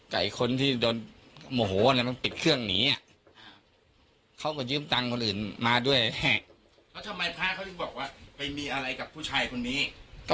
ไปกับคนที่โดนโหโหก็เป็นคนที่ปิดเครื่องหนีอ่ะเขาก็ยืมตังค์คนอื่นมาด้วยเนี่ย